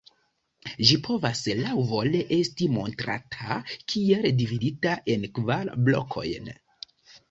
Ĝi povas laŭvole esti montrata kiel dividita en kvar blokojn.